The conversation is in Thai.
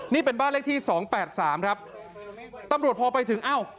นี่เป็นบ้านเลขที่สองแปดสามครับตำรวจพอไปถึงอ้าว